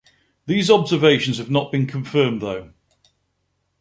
These observations have not been confirmed though.